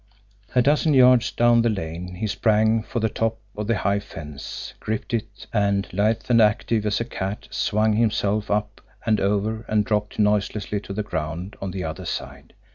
A dozen yards down the lane, he sprang for the top of the high fence, gripped it, and, lithe and active as a cat, swung himself up and over, and dropped noiselessly to the ground on the other side.